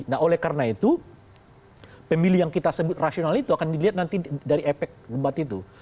nah oleh karena itu pemilih yang kita sebut rasional itu akan dilihat nanti dari efek debat itu